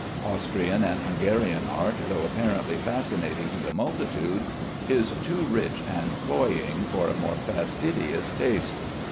Austrian and Hungarian art, though apparently fascinating to the multitude, is too rich and cloying for a more fastidious taste.